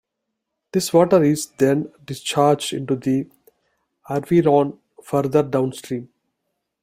This water is then discharged into the Arveyron further downstream.